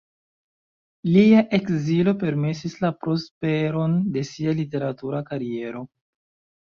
Lia ekzilo permesis la prosperon de sia literatura kariero.